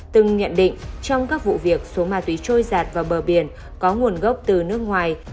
từng nhận định trong các vụ việc số ma túy trôi giạt vào bờ biển có nguồn gốc từ nước ngoài